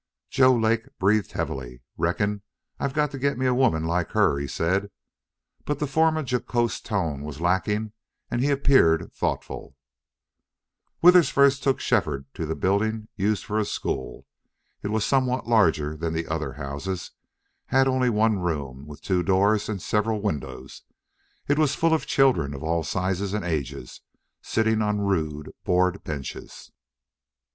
Joe Lake breathed heavily. "Reckon I've got to get me a woman like her," he said. But the former jocose tone was lacking and he appeared thoughtful. ........... Withers first took Shefford to the building used for a school. It was somewhat larger than the other houses, had only one room with two doors and several windows. It was full of children, of all sizes and ages, sitting on rude board benches.